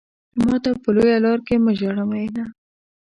ماته په لويه لار کې مه ژاړه مينه.